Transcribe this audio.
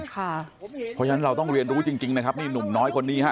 เพราะฉะนั้นเราต้องเรียนรู้จริงนะครับนี่หนุ่มน้อยคนนี้ฮะ